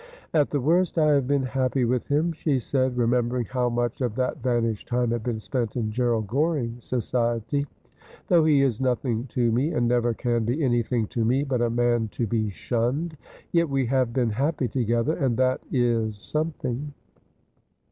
' At the worst I have been happy with him,' she said, remem bering how much of that vanished time had been spent in Gerald Goring's society, ' though he is nothing to me, and never can be anything to me but a man to be shunned ; yet we have been happy together, and that is something.'